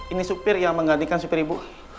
ini sopir yang menggantikan sopir ibu